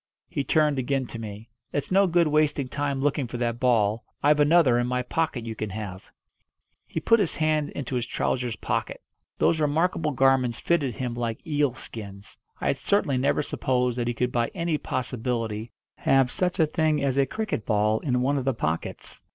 He turned again to me. "It's no good wasting time looking for that ball. I've another in my pocket you can have." He put his hand into his trousers' pocket. Those remarkable garments fitted him like eel skins. I had certainly never supposed that he could by any possibility have such a thing as a cricket ball in one of the pockets.